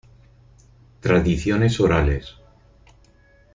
Tradiciones orales.